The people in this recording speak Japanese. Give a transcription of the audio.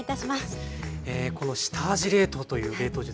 この下味冷凍という冷凍術